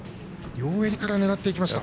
両襟から狙っていきました。